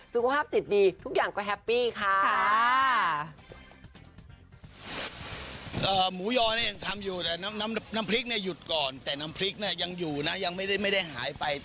สุขภาพจิตดีทุกอย่างก็แฮปปี้ค่ะ